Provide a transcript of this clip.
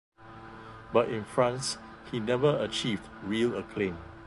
But in France, he never achieved real acclaim.